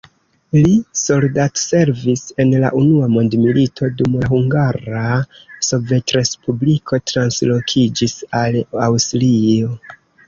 Li soldatservis en la unua mondmilito, dum la Hungara Sovetrespubliko translokiĝis al Aŭstrio.